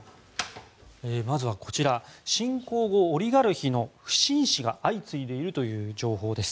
まずはこちら侵攻後、オリガルヒの不審死が相次いでいるという情報です。